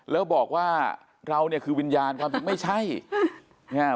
แล้วบอกว่าเราเนี่ยคือวิญญาณความจริงไม่ใช่เนี่ย